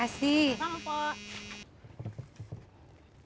terima kasih pak